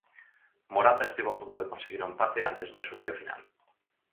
Morata estivo a punto de conseguir o empate antes do asubío final.